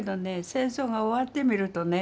戦争が終わってみるとね